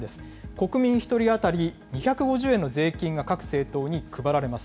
国民１人当たり２５０円の税金が各政党に配られます。